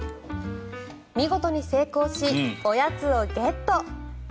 見事に成功し、おやつをゲット。